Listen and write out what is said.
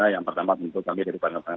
yang pertama tentu kami dari pernah pangan